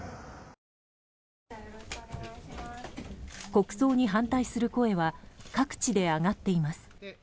国葬に反対する声は各地で上がっています。